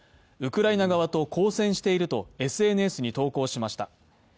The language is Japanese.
ウクライナ側と交戦しているとＳＮＳに投稿しました。